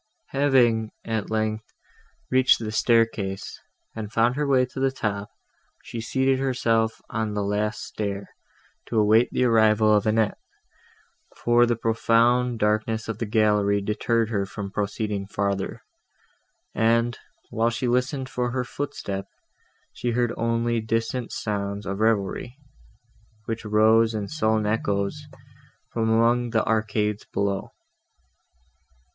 Having, at length, reached the staircase, and found her way to the top, she seated herself on the last stair, to await the arrival of Annette; for the profound darkness of the gallery deterred her from proceeding farther, and, while she listened for her footstep, she heard only distant sounds of revelry, which rose in sullen echoes from among the arcades below.